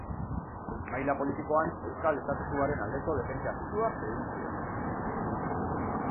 Maila politikoan euskal estatutuaren aldeko defentsa sutsua egin zuen.